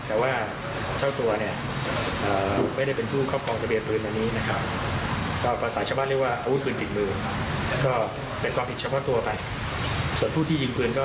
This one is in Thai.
ทางเจ้าที่บริษัทก็จะต้องรำเนินคดี